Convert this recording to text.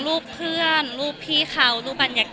รูปเพื่อนรูปพี่เขารูปบรรยากาศ